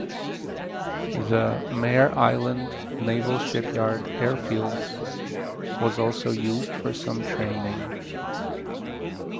The Mare Island Naval Shipyard Airfield was also used for some training.